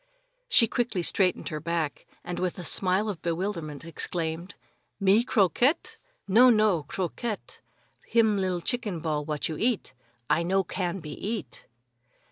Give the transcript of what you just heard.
She quickly straightened her back, and with a smile of bewilderment, exclaimed: "Me croquette? No, no; croquette, him li'l chicken ball what you eat. I no can be eat!"